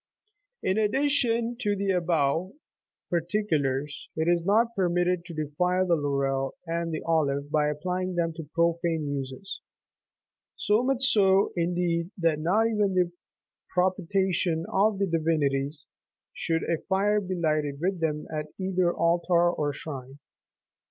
In addition to the above particulars, it is not permitted to defile the laurel and the olive by applying them to profane uses ; so much so, indeed, that, not even for the propitiation of the divinities, should a fire be lighted with them at either altar or shrine.